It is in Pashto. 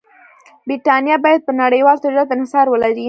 برېټانیا باید پر نړیوال تجارت انحصار ولري.